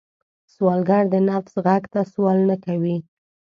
سوالګر د نفس غږ ته سوال نه کوي